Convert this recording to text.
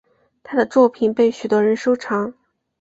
她的作品被许多人收藏。